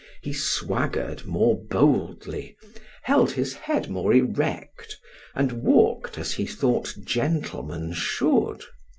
He swaggered more boldly, held his head more erect and walked as he thought gentlemen should.